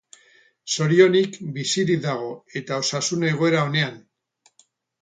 Zorionez, bizirik dago, eta osasun egoera onean.